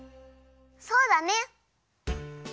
そうだね。